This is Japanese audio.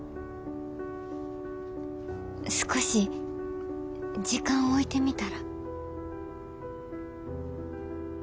少し時間置いてみたら？